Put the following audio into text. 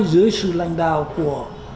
dưới sự lành đạo của